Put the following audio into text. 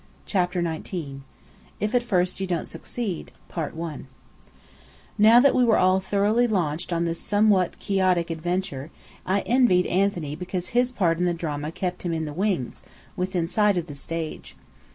CHAPTER XIX "IF AT FIRST YOU DON'T SUCCEED" Now that we were thoroughly launched on this somewhat quixotic adventure, I envied Anthony because his part in the drama kept him "in the wings," within sight of the stage.